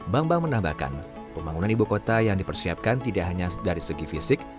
bambang menambahkan pembangunan ibu kota yang dipersiapkan tidak hanya dari segi fisik